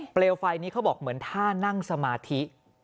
เปลวไฟนี้เขาบอกเหมือนท่านั่งสมาธิ